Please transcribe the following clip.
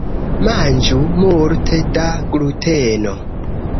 Manĝu multe da gluteno.